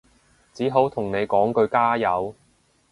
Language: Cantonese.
只好同你講句加油